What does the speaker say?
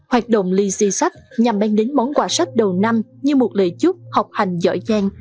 hoạt động lì xì sách nhằm mang đến món quà sách đầu năm như một lời chúc học hành giỏi giang